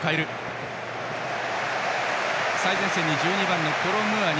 最前線に１２番のコロムアニ。